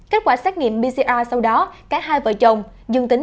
kết quả xác nghiệm pcr sau đó các hai vợ chồng